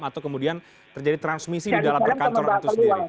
atau kemudian terjadi transmisi di dalam perkantoran itu sendiri